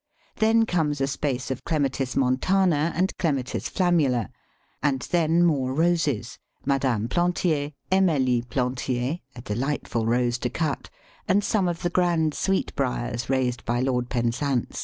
Then comes a space of Clematis Montana and Clematis flammula, and then more Roses Madame Plantier, Emélie Plantier (a delightful Rose to cut), and some of the grand Sweetbriars raised by Lord Penzance.